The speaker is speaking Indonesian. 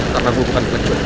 karena gue bukan klien juga